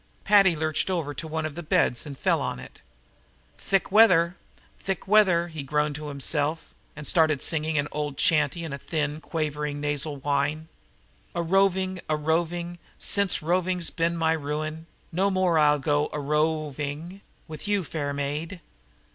Paddy lurched over to one of the beds and fell on it. "Thick weather! Thick weather!" he groaned to himself, and started to sing an old chanty in a thin, quavering, nasal whine. "A roving, a roving Since roving's been my ru i in, No more I'll go a ro o ving with you, fair maid."